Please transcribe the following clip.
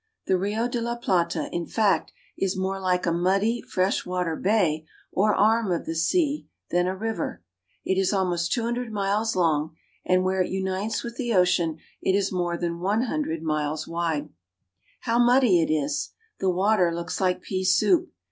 The Rio de la Plata, in fact, is more like a muddy fresh water bay or arm of the sea than a river. It is almost two hundred miles long, and where it unites with the ocean it is more than one hundred miles wide. Rio de la Plata. How muddy it is! The water looks like pea soup.